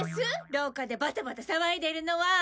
廊下でバタバタ騒いでるのは。